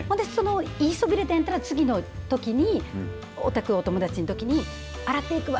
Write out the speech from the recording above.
言いそびれたんやったら次のときにお宅、お友達のときに洗っていくわ。